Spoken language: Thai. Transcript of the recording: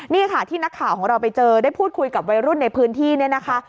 นี่ค่ะที่นักข่าวของเราไปเจอได้พูดคุยกับวัยรุ่นในพื้นที่เนี่ยนะคะ